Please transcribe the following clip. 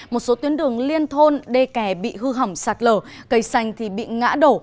một số tuyến đường liên thôn đê kè bị hư hỏng sạt lở cây xanh bị ngã đổ